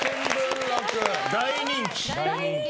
大人気！